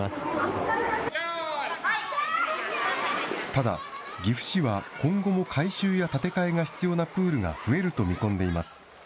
ただ、岐阜市は今後も改修や建て替えが必要なプールが増えると見込んでいます。